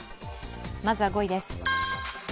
まずは５位です。